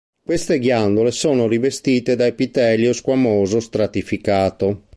Queste ghiandole sono rivestite da epitelio squamoso stratificato.